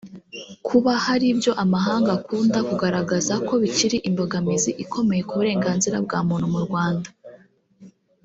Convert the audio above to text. Kuba hari ibyo amahanga akunda kugaragaza ko bikiri imbogamizi ikomeye ku burenganzira bwa muntu mu Rwanda